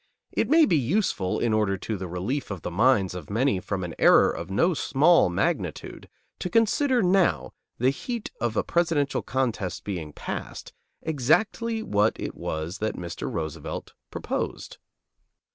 It may be useful, in order to the relief of the minds of many from an error of no small magnitude, to consider now, the heat of a presidential contest being past, exactly what it was that Mr. Roosevelt proposed.